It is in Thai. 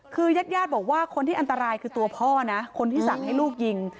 คือญาติญาติบอกว่าคนที่อันตรายคือตัวพ่อนะคนที่สั่งให้ลูกยิง